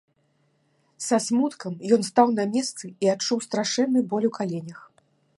Са смуткам ён стаў на месцы і адчуў страшэнны боль у каленях.